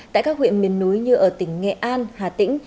tại các huyện miền núi như ở tỉnh nghệ an hà tĩnh